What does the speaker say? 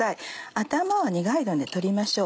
頭は苦いので取りましょう。